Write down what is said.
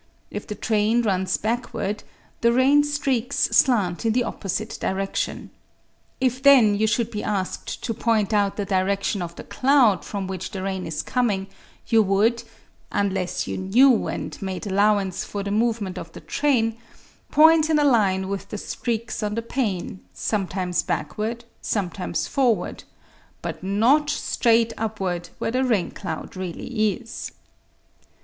If the train runs backward the rain streaks 64 EASY LESSONS IN EINSTEIN slant in the opposite direction. If then you should be asked to point out the direction of the cloud from which the rain is coming you would — ^unless you knew and made allowance for the movement of the train — point in a line with the streaks on the pane, sometimes backward, sometimes forward, but not straight upward where the raincloud really is.